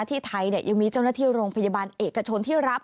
ที่ไทยยังมีเจ้าหน้าที่โรงพยาบาลเอกชนที่รับ